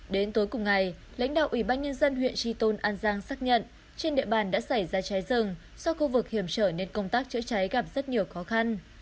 đến tối cùng ngày lãnh đạo ủy ban nhân dân huyện tri tôn an giang xác nhận trên địa bàn đã xảy ra cháy rừng do khu vực hiểm trở nên công tác chữa cháy gặp rất nhiều khó khăn